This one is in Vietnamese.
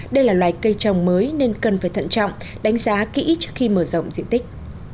đây là loài cây trồng mới nên cần phải thận trọng đánh giá kỹ trước khi mở rộng diện tích